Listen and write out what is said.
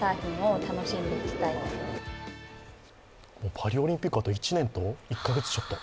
パリオリンピック、あと１年と１か月ちょっと？